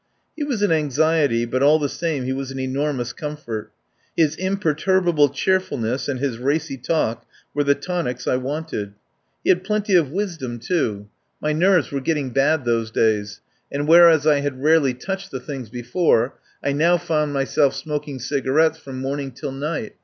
He was an anxiety, but all the same he was an enormous comfort. His imperturbable cheerfulness and his racy talk were the tonics I wanted. He had plenty of wisdom, too. My 122 I TAKE A PARTNER nerves were getting bad those days, and, whereas I had rarely touched the things be fore, I now found myself smoking cigarettes from morning till night.